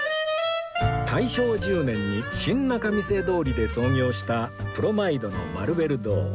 大正１０年に新仲見世通りで創業したプロマイドのマルベル堂